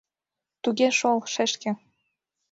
— Туге шол, шешке.